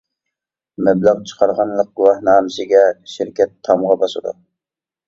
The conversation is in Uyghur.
مەبلەغ چىقارغانلىق گۇۋاھنامىسىگە شىركەت تامغا باسىدۇ.